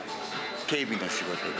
警備の仕事が。